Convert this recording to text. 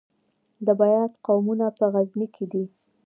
د بیات قومونه په غزني کې دي